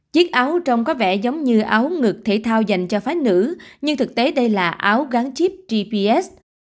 chiếc áo trông có vẻ giống như áo ngực thể thao dành cho phái nữ nhưng thực tế đây là áo gắn chip gps